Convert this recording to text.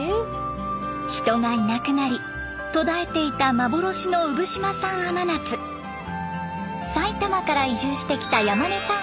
人がいなくなり途絶えていた幻の産島産甘夏埼玉から移住してきた山根さん